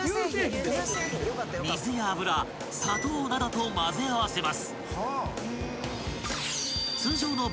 ［水や油砂糖などと混ぜ合わせます］